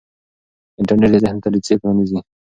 انټرنیټ د ذهن دریڅې پرانیزي.